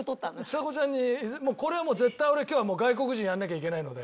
ちさ子ちゃんにこれはもう絶対俺は今日は外国人やらなきゃいけないので。